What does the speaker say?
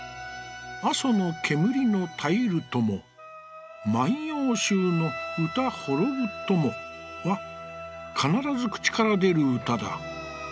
阿蘇の煙の絶ゆるとも萬葉集の歌ほろぶとも』は、かならず口から出る歌だ。